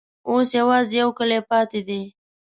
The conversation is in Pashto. اوس یوازي یو کلی پاته دی.